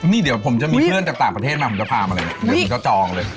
นี่เดี๋ยวผมจะมีเพื่อนจากต่างประเทศมาผมจะพามาเลยเดี๋ยวผมจะจองเลย